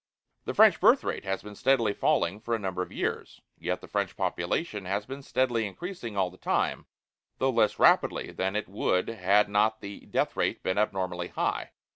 The French birth rate has been steadily falling for a number of years, yet the French population has been steadily increasing all the time, though less rapidly than it would had not the death rate been abnormally high.